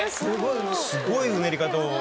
すごいうねり方を。